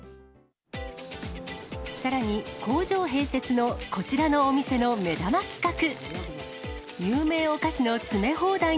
さらに、工場併設のこちらのお店の目玉企画。